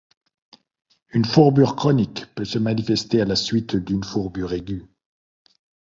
Une fourbure chronique peut se manifester à la suite d'une fourbure aiguë.